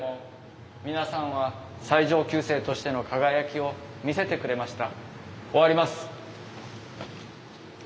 皆さんは最上級生としての輝きを見せてくれました。